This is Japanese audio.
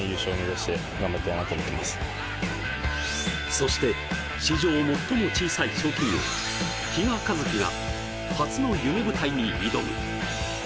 そして史上最も小さい賞金王・比嘉一貴が初の夢舞台に挑む。